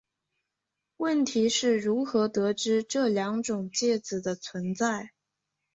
问题是如何得知这两种介子的存在。